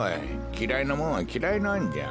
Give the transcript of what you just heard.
きらいなもんはきらいなんじゃ。